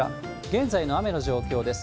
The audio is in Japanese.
現在の雨の状況です。